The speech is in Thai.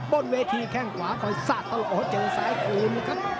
บนเวทีแข้งขวาคอยสาดตลอดเจนสายภูมิครับ